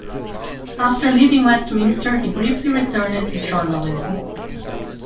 After leaving Westminster he briefly returned to journalism.